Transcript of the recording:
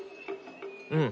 うん。